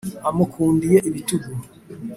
amukinduye ibitugu,